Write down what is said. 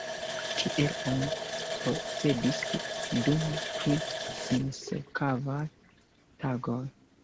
Tiel oni procedis dum tri sinsekvaj tagoj.